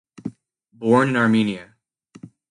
Born in Armenia.